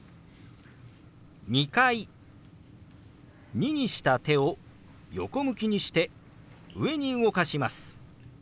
「２」にした手を横向きにして上に動かします。